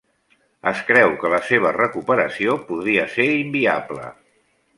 Es creu que la seva recuperació podria ser inviable.